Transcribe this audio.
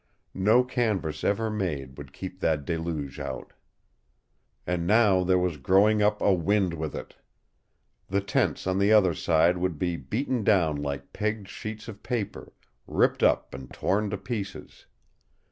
No canvas ever made would keep that deluge out. And now there was growing up a wind with it. The tents on the other side would be beaten down like pegged sheets of paper, ripped up and torn to pieces.